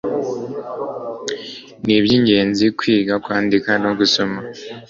Nibyingenzi kwiga kwandika no gusoma